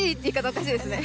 おかしいですね